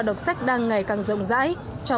đọc sách đang ngày càng rộng rãi